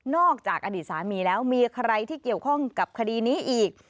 จากอดีตสามีแล้วมีใครที่เกี่ยวข้องกับคดีนี้อีก